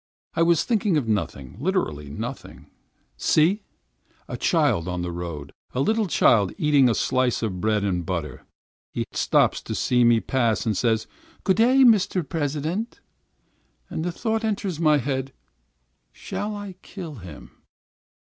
I was thinking of nothing, literally nothing. A child was in the road, a little child eating a slice of bread and butter. He stops to see me pass and says, "Good day, Mr. President." And the thought enters my head, "Shall I kill him?"